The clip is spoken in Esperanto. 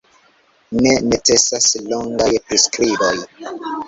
Ne necesas longaj priskriboj.